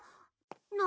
何？